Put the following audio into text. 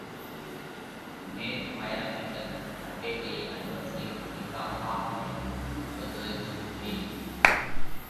نيٺ مايا مِلڳت کٽي ڳئِي ان وزِير هيڪا ۿاۿ ۾ ٻڌوئي ۮُوڌ پي ڳيو۔